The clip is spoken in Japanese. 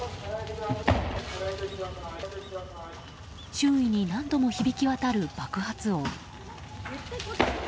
周囲に何度も響き渡る爆発音。